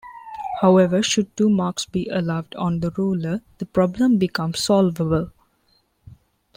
However, should two marks be allowed on the ruler, the problem becomes solvable.